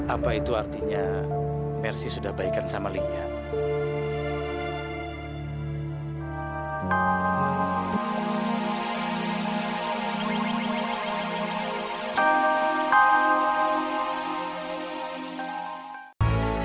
apa itu artinya mercy sudah baikan sama linya